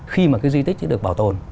khi mà cái di tích được bảo tồn